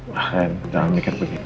bahaya dalam pikir begitu